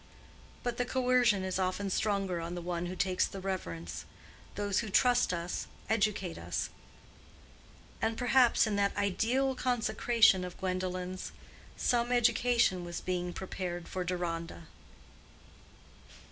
But the coercion is often stronger on the one who takes the reverence. Those who trust us educate us. And perhaps in that ideal consecration of Gwendolen's, some education was being prepared for Deronda.